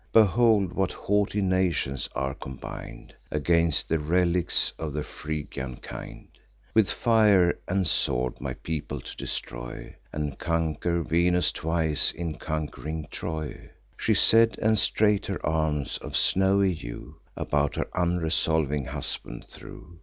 Behold, what haughty nations are combin'd Against the relics of the Phrygian kind, With fire and sword my people to destroy, And conquer Venus twice, in conqu'ring Troy." She said; and straight her arms, of snowy hue, About her unresolving husband threw.